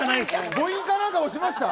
ぼ印か何か押しました？